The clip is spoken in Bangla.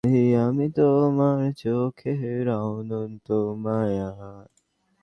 মণি ভাই নীরাকে বললেন, আপনাকে বলছে আপনার পায়ের চপ্পল জোড়া খুব সুন্দর।